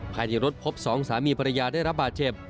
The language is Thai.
ภายในรถพบสองสามีภรรยาได้รับบาดเจ็บ